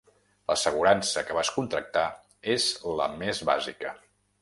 L'assegurança que vas contractar és la més bàsica.